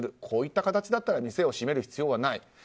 こういった形だったら店を閉める必要はない。